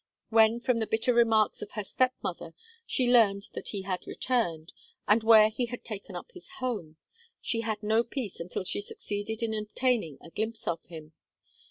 When, from the bitter remarks of her step mother, she learned that he had returned, and where he had taken up his home, she had no peace until she succeeded in obtaining a glimpse of him.